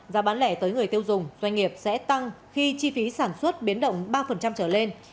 giá bán lẻ tới người tiêu dùng doanh nghiệp sẽ tăng khi chi phí sản xuất biến động ba trở lên